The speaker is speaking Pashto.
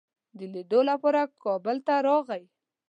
د لیدلو لپاره کابل ته راغی.